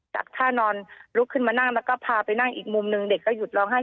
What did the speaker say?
ท่านอนลุกขึ้นมานั่งแล้วก็พาไปนั่งอีกมุมหนึ่งเด็กก็หยุดร้องไห้